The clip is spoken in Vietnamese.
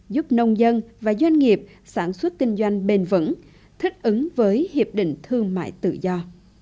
giúp nông dân và doanh nghiệp sản xuất kinh doanh bền vững thích ứng với hiệp định thương mại tự do